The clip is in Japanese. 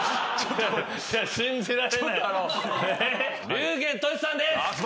龍玄としさんです！